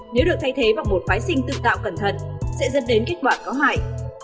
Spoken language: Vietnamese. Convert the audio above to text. nếu được thay thế bằng một phái sinh tự tạo cẩn thận sẽ dẫn đến kết quả có hại